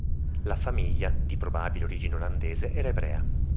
La famiglia, di probabile origine olandese, era ebrea.